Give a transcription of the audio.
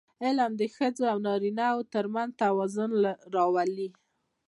علم د ښځو او نارینهوو ترمنځ توازن راولي.